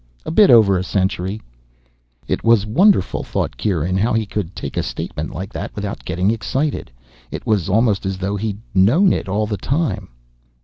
"A bit over a century." It was wonderful, thought Kieran, how he could take a statement like that without getting excited. It was almost as though he'd known it all the time.